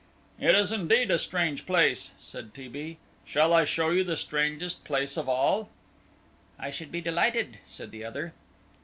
"It is indeed a strange place," said T. B. "Shall I show you the strangest place of all?" "I should be delighted," said the other.